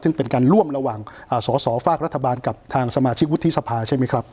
ซึ่งเป็นการร่วมระหว่างสอสอฝากรัฐบาลกับทางสมาชิกวุฒิสภาใช่ไหมครับ